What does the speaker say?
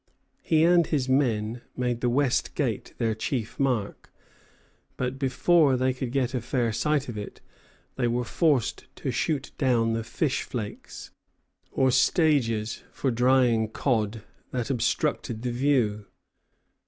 He and his men made the West Gate their chief mark; but before they could get a fair sight of it, they were forced to shoot down the fish flakes, or stages for drying cod, that obstructed the view.